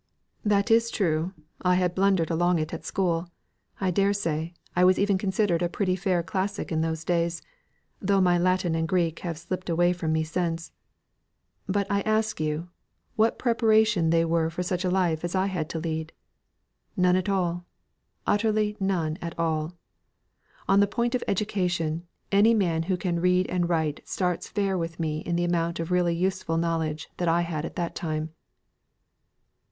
"That is true, I had blundered along it at school; I dare say, I was even considered a pretty fair classic in those days, though my Latin and Greek have slipt away from me since. But I ask you, what preparation were they for such a life as I had to lead? None at all. Utterly none at all. On the point of education, any man who can read and write starts fair with me in the amount of really useful knowledge that I had at that time."